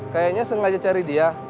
kayaknya sengaja cari dia